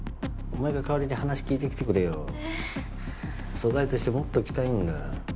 素材として持っときたいんだ。